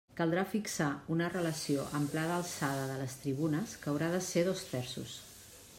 Caldrà fixar una relació amplada alçada de les tribunes, que haurà de ser dos terços.